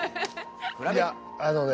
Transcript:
いやあのね